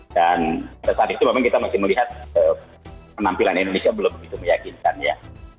dan pada saat itu memang kita masih melihat penampilan indonesia belum begitu meyakinkan ya